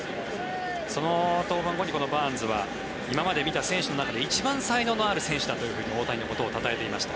その登板後にこのバーンズは今まで見た選手の中で一番才能のある選手だと大谷のことをたたえていました。